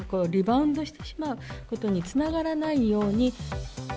リバウンドしてしまうことにつながらないように。